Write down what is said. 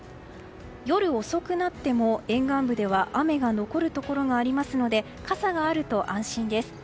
夜遅くなっても沿岸部では雨が残るところがありますので傘があると安心です。